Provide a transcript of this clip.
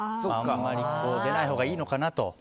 あんまり出ないほうがいいのかなと。